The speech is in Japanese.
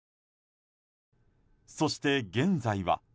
そして現在は。